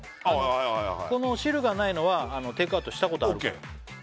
はいこの汁がないのはテイクアウトしたことあるからＯＫ